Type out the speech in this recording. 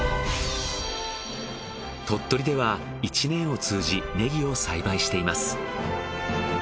鳥取では１年を通じネギを栽培しています。